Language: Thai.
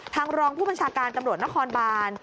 รองผู้บัญชาการตำรวจนครบาน